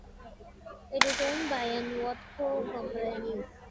It is owned by the Watco Companies.